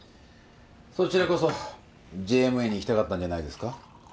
そちらこそＪＭＡに行きたかったんじゃないですか？